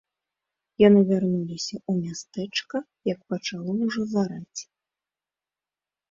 Яны вярнуліся ў мястэчка, як пачало ўжо зараць.